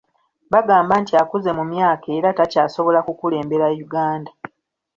Bagamba nti akuze mu myaka era takyasobola kukulembera Uganda.